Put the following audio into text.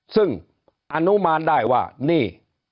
ซึ่งอนุมานได้ว่านี่